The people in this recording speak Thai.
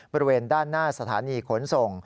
บริเวณด้านหน้าสถานีขนส่ง